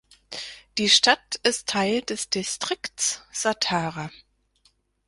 Die Stadt ist Teil des Distrikts Satara.